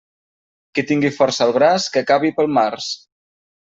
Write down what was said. Qui tingui força al braç que cavi pel març.